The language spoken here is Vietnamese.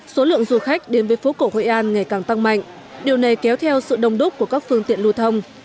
số lượng du khách đến với phố cổ hội an ngày càng tăng mạnh điều này kéo theo sự đông đúc của các phương tiện lưu thông